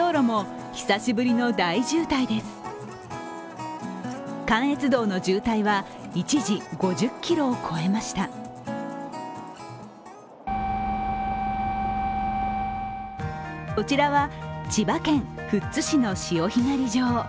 こちらは千葉県富津市の潮干狩り場。